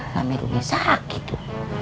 namanya ruknya sarak gitu